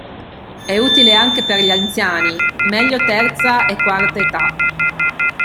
È utile anche per gli anziani (meglio Terza e Quarta età).